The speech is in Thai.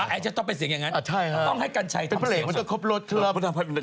อ๋อแอ๊ดจะต้องเป็นเสียงอย่างนั้นต้องให้กันชัยทำเสียงมันจะครบรถเทียบ